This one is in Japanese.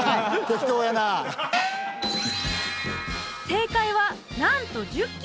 正解はなんと１０基！